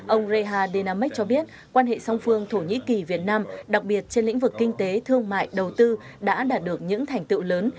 ông reha dynamics cho biết quan hệ song phương thổ nhĩ kỳ việt nam đặc biệt trên lĩnh vực kinh tế thương mại đầu tư đã đạt được những thành tựu lớn